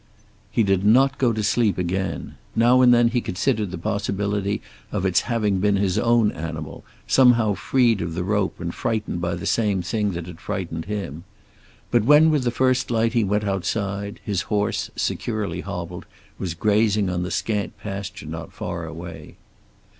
He did not go to sleep again. Now and then he considered the possibility of its having been his own animal, somehow freed of the rope and frightened by the same thing that had frightened him. But when with the first light he went outside, his horse, securely hobbled, was grazing on the scant pasture not far away.